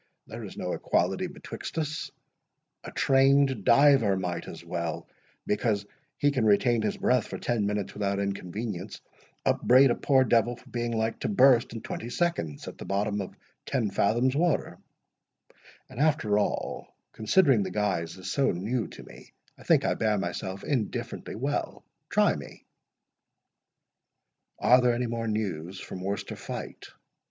there is no equality betwixt us—A trained diver might as well, because he can retain his breath for ten minutes without inconvenience, upbraid a poor devil for being like to burst in twenty seconds, at the bottom of ten fathoms water—And, after all, considering the guise is so new to me, I think I bear myself indifferently well—try me!" "Are there any more news from Worcester fight?"